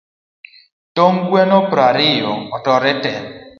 Tong' gweno prariyo otore te